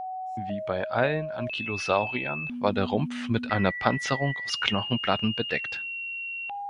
Wie bei allen Ankylosauriern war der Rumpf mit einer Panzerung aus Knochenplatten bedeckt.